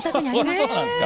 そうなんですか。